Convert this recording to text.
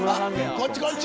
「こっちこっち！」